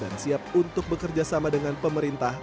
dan siap untuk bekerjasama dengan pemerintah